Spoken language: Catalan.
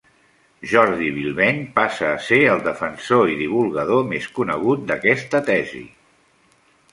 Jordi Bilbeny passa a ser el defensor i divulgador més conegut d'aquesta tesi.